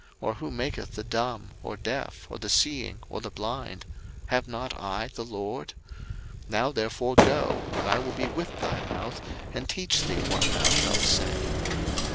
or who maketh the dumb, or deaf, or the seeing, or the blind? have not I the LORD? 02:004:012 Now therefore go, and I will be with thy mouth, and teach thee what thou shalt say.